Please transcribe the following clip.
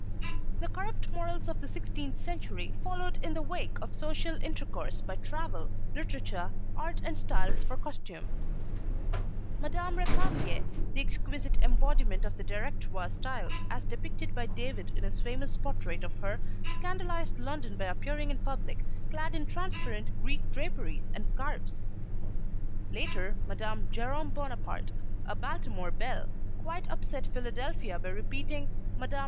The corrupt morals of the sixteenth century followed in the wake of social intercourse by travel, literature, art and styles for costumes. Mme. Récamier, the exquisite embodiment of the Directoire style as depicted by David in his famous portrait of her, scandalised London by appearing in public, clad in transparent Greek draperies and scarfs. Later Mme. Jerome Bonaparte, a Baltimore belle, quite upset Philadelphia by repeating Mme.